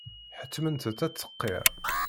Ḥettment-tt ad d-tqirr.